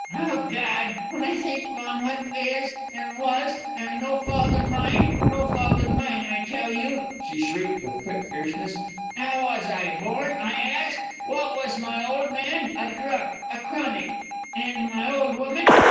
"O Gawd! Wen I think on wot is, an' was ... an' no fault of mine. No fault of mine, I tell you!" she shrieked with quick fierceness. "'Ow was I born, I ask? Wot was my old man? A drunk, a chronic. An' my old woman?